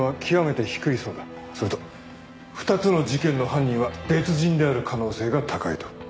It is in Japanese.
それと２つの事件の犯人は別人である可能性が高いと。